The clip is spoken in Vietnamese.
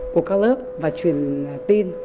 của các lớp và truyền tin